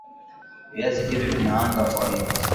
Viazi hivi vina wanga kwa wingi